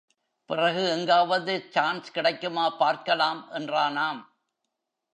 பிறகு எங்காவது சான்ஸ் கிடைக்குமா பார்க்கலாம் என்றானாம்.